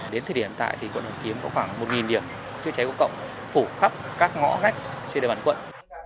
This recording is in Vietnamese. đến thời điểm tại quận hoàn kiếm có khoảng một điểm chữa cháy công cộng phủ khắp các ngõ ngách trên địa bàn quận